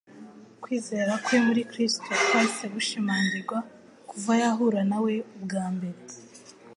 Kwizera kwe muri Kristo kwahise gushimangirwa kuva yahura na we ubwa mbere;